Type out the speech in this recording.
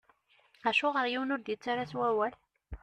Acuɣeṛ yiwen ur d-ittarra s wawal?